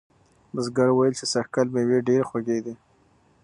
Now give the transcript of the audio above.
بزګر وویل چې سږکال مېوې ډیرې خوږې دي.